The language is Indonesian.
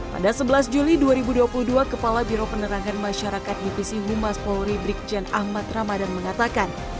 pada sebelas juli dua ribu dua puluh dua kepala biro penerangan masyarakat divisi humas polri brikjen ahmad ramadan mengatakan